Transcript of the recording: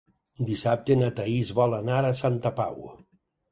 Dissabte na Thaís vol anar a Santa Pau.